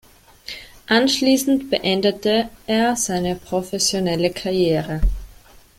Anschließend beendete er seine professionelle Karriere.